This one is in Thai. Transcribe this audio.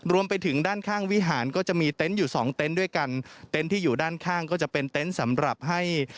รวมไปถึงด้านข้างวิหารก็จะมีเต็นต์อยู่สองเต็นต์ด้วยกันเต็นต์ที่อยู่ด้านข้างก็จะเป็นเต็นต์สำหรับให้